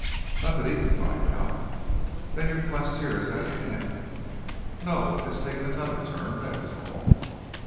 "Not that he can find out." "Then your quest here is at an end?" "No, it has taken another turn, that is all."